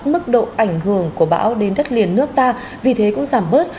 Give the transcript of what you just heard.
mức độ ảnh hưởng của bão đến đất liền nước ta vì thế cũng giảm bớt